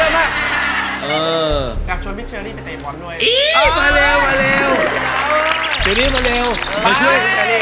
อยากชวนพี่เชอรี่ไปเตยบอลด้วย